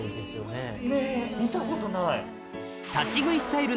ねっ見たことない。